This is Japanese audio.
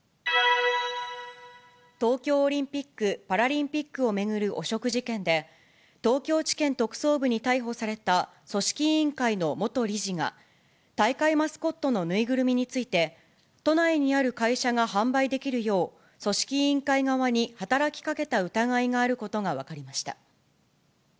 東京オリンピック・パラリンピックを巡る汚職事件で、東京地検特捜部に逮捕された組織委員会の元理事が、大会マスコットの縫いぐるみについて、都内にある会社が販売できるよう、組織委員会側に働きかけた疑いがあることが分かりました。